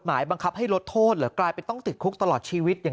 หมายบังคับให้ลดโทษเหลือกลายเป็นต้องติดคุกตลอดชีวิตอย่าง